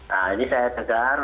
nah ini saya segar